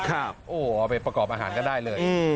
เอาไปประกอบอาหารก็ได้เลย